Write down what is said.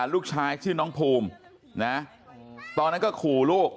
ลูกชายชื่อน้องภูมินะตอนนั้นก็ขู่ลูก